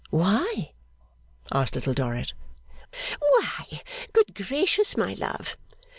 'Why?' asked Little Dorrit. 'Why? Good gracious, my love!